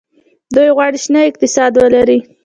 دوی غواړي شنه اقتصاد ولري.